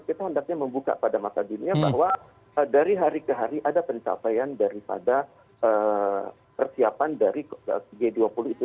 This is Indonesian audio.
kita hendaknya membuka pada mata dunia bahwa dari hari ke hari ada pencapaian daripada persiapan dari g dua puluh itu